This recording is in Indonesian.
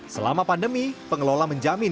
selama pandemi pengelola menjamin